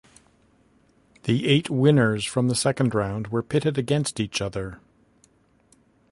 The eight winners from the second round were pitted against each other.